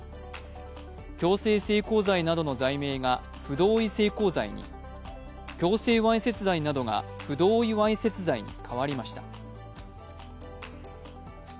強制性交罪などの罪名が不同意性交罪に強制わいせつ罪などが不同意わいせつ罪に変わりました。